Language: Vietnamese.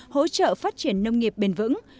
hỗ trợ phát triển nông nghiệp bền vững